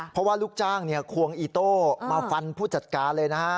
เพราะว่าลูกจ้างควงอีโต้มาฟันผู้จัดการเลยนะฮะ